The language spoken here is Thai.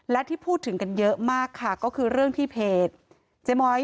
และที่พูดถึงกันเยอะมากค่ะก็คือเรื่องที่เพจเจ๊ม้อย